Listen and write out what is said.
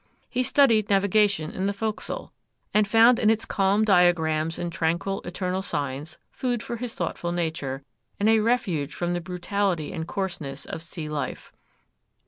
He studied navigation in the forecastle, and found in its calm diagrams and tranquil eternal signs food for his thoughtful nature, and a refuge from the brutality and coarseness of sea life.